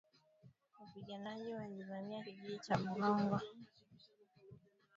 wapiganaji walivamia kijiji cha Bulongo katika jimbo la Kivu kaskazini